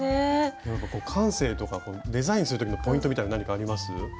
感性とかデザインする時のポイントみたいなの何かあります？